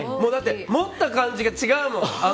持った感じが違うもん。